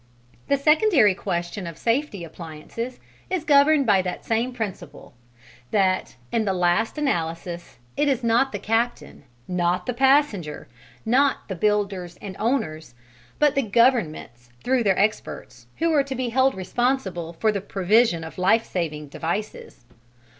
The secondary question of safety appliances is governed by the same principle that, in the last analysis, it is not the captain, not the passenger, not the builders and owners, but the governments through their experts, who are to be held responsible for the provision of lifesaving devices.